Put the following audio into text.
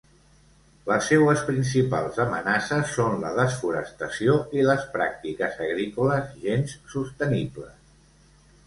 Les seues principals amenaces són la desforestació i les pràctiques agrícoles gens sostenibles.